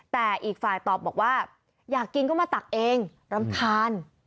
แต่อีกฝ่ายตอบบอกว่าอยากกินก็มาตักเองรำคาญ